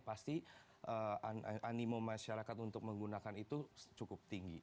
pasti animo masyarakat untuk menggunakan itu cukup tinggi